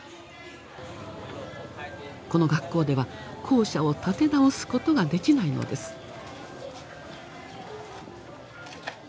この学校では校舎を建て直すことができないのです。